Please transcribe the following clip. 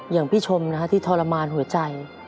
อย่างพี่ชมที่ทรมานหัวใจ